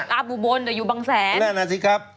ลาบอุบลแต่อยู่บังแสนแน่นอนสิครับ